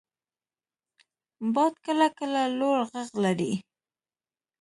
• باد کله کله لوړ ږغ لري.